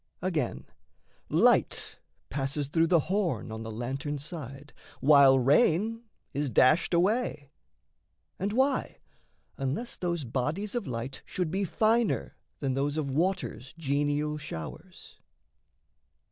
Again, light passes through the horn On the lantern's side, while rain is dashed away. And why? unless those bodies of light should be Finer than those of water's genial showers.